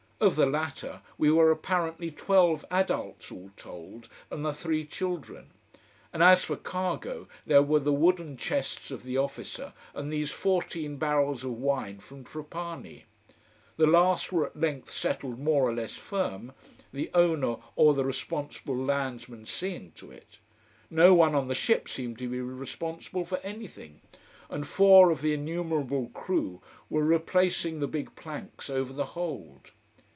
Of the latter, we were apparently twelve adults, all told, and the three children. And as for cargo, there were the wooden chests of the officer, and these fourteen barrels of wine from Trapani. The last were at length settled more or less firm, the owner, or the responsible landsman seeing to it. No one on the ship seemed to be responsible for anything. And four of the innumerable crew were replacing the big planks over the hold.